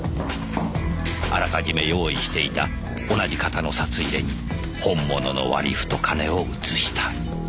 あらかじめ用意していた同じ型の札入れに本物の割り符と金を移した。